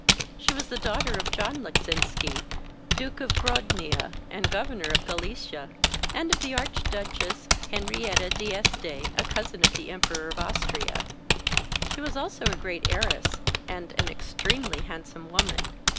She was the daughter of John Leczinski, Duke of Grodnia and Governor of Galicia, and of the Archduchess Henrietta d'Este, a cousin of the Emperor of Austria. She was also a great heiress, and an extremely handsome woman.